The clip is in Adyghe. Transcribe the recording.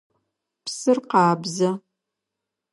Псыр къабзэ.